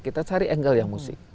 kita cari angle yang musik